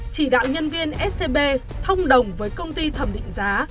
chỉ đạo nhân viên scb thông đồng với công ty thẩm định giá